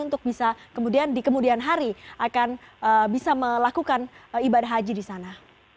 untuk bisa kemudian di kemudian hari akan bisa melakukan ibadah haji di sana